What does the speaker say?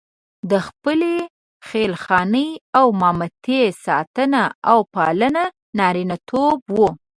د خپلې خېل خانې او مامتې ساتنه او پالنه نارینتوب وو.